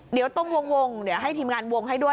เดี๋ยวต้องวงเดี๋ยวให้ทีมงานวงให้ด้วย